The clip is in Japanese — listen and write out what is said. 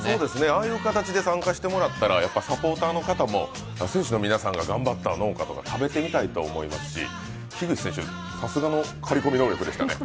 ああいう形で参加してもらったらサポーターの方も選手の皆さんが頑張った農家とか、食べてみたいと思いますし、樋口選手、さすがの刈り込み能力でしたね。